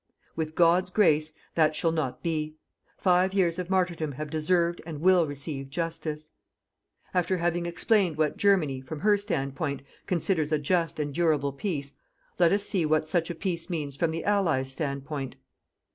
With God's grace, that shall not be. Five years of martyrdom have deserved and will receive JUSTICE. After having explained what Germany, from her stand point, considers a JUST AND DURABLE PEACE, let us see what such a peace means from the Allies' stand point.